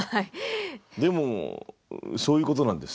でもそういうことなんです。